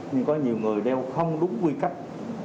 nhưng có nhiều người đeo không đúng quy cách